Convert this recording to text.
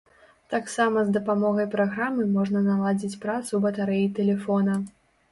Таксама з дапамогай праграмы можна наладзіць працу батарэі тэлефона.